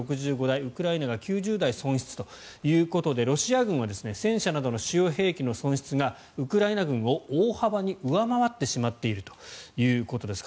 ウクライナが９０台損失ということでロシア軍は戦車などの主要兵器の損失がウクライナ軍を大幅に上回ってしまっているということです。